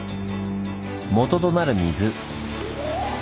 もととなる「水」。